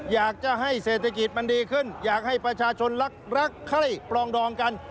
อยากจะให้เศรษฐกิจมันดีขึ้นอยากให้ประชาชนรักรักไข้ปลองดองกัน